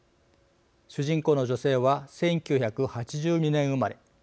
主人公の女性は１９８２年生まれ。